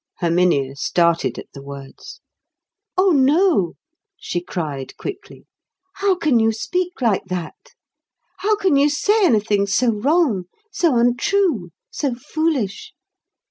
Herminia started at the words. "Oh, no," she cried quickly. "How can you speak like that? How can you say anything so wrong, so untrue, so foolish?